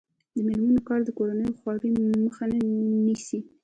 د میرمنو کار د کورنۍ خوارۍ مخه نیسي.